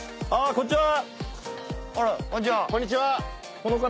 こんちは。